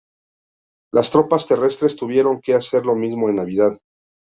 Las tropas terrestres tuvieron que hacer lo mismo en Navidad.